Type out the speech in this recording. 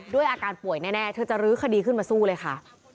ด้วยอาการป่วยแน่เธอจะลื้อคดีขึ้นมาสู้เลยค่ะ